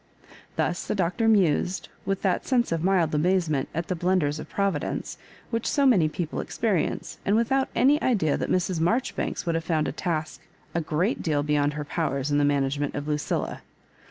Thus the Doctor mused, with that sense of mild amazement at the blunders of Providence, which so many people experience, and without any idea that Mrs. Marjoribanks would have found a task a great deal beyond her powers in the manage ment of Lucilla.